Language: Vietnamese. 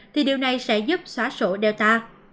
thì điều này sẽ giúp xóa sổ delta